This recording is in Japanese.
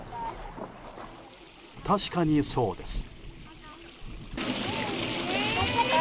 確かにそうです。